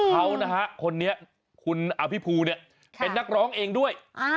เขานะฮะคนนี้คุณอภิภูเนี่ยเป็นนักร้องเองด้วย